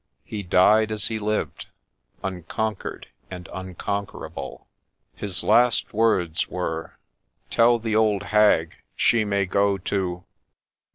He died as he lived, unconquered and unconquerable. His last words were —' Tell the old hag she may go to .'